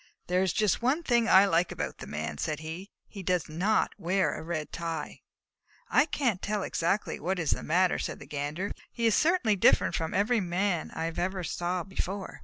"There is just one thing I like about the Man," said he. "He does not wear a red tie." "I can't tell exactly what is the matter," said the Gander, "but he is certainly very different from any Man I ever saw before.